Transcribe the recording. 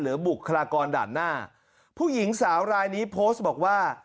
บุคลากรด่านหน้าผู้หญิงสาวรายนี้โพสต์บอกว่า